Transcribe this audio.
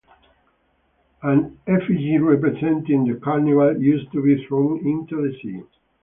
An effigy representing the Carnival used to be thrown into the sea.